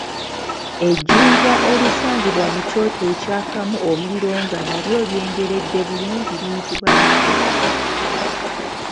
Ejjinja erisangibwa mu kyoto ekyakamu omuliro nga n'alyo lyengeredde bulungi liyitibwa litya?